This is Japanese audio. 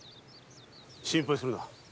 心配するな。